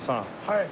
はい。